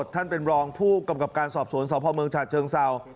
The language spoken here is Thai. ท่านเป็นรองผู้กำกับการสอบสวนสพเมืองฉะเชิงเศร้า